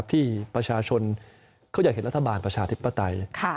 ที่ประชาชนเขาอยากเห็นรัฐบาลประชาธิปไตย